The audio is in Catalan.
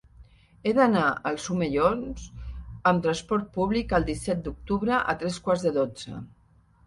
He d'anar als Omellons amb trasport públic el disset d'octubre a tres quarts de dotze.